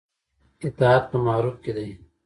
اطاعت په معروف کې دی